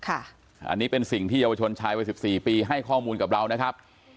อันนี้เป็นสิ่งที่เยาวชนชายวัย๑๔ปีให้ข้อมูลกับเรานะครับ